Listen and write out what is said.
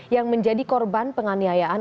yang menjadi korban penganiayaan